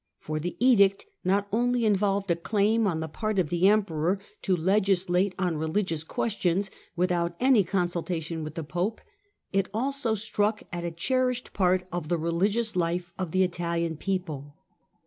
For the edict not only involved a claim on the ■art of the Emperor to legislate on religious questions rithout any consultation with the Pope, it also struck t a cherished part of the religious life of the Italian >eople.